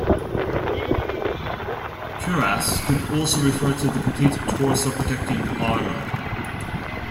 "Cuirass" could also refer to the complete torso-protecting armour.